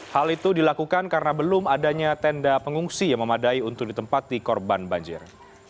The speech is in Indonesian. hal itu dilakukan karena belum adanya tenda pengungsi yang memadai untuk ditempati korban banjir